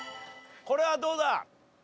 これはどうだ？